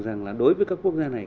rằng là đối với các quốc gia này